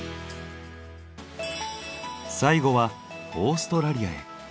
最後はオーストラリアへ。